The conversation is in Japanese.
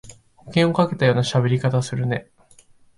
保険をかけたようなしゃべり方するね